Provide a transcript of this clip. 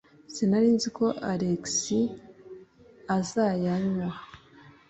Sinari nzi ko Alex azayanywa.